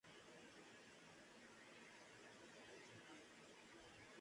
Antes muerta que sencilla